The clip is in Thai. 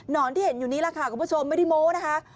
ที่เห็นอยู่นี้แหละค่ะคุณผู้ชมไม่ได้โม้นะคะ